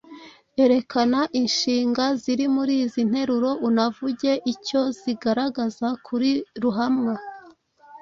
Erekana inshinga ziri muri izi nteruro unavuge icyo zigaragaza kuri ruhamwa.